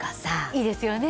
いいですよね。